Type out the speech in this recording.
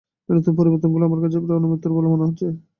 এই নতুন পরিবর্তনগুলি আমার কাছে প্রায় অনতিক্রম্য বলে মনে হচ্ছে।